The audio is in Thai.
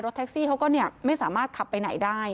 แท็กซี่เขาก็ไม่สามารถขับไปไหนได้